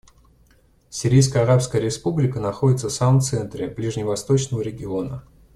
Сирийская Арабская Республика находится в самом центре ближневосточного региона.